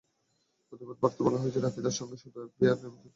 প্রতিবাদ বার্তায় বলা হয়েছে, রাফিদার সঙ্গে শুধু এফবিআই নিয়মিত যোগাযোগ রাখছে।